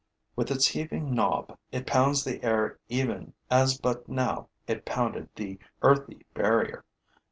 With its heaving knob, it pounds the air even as but now it pounded the earthy barrier.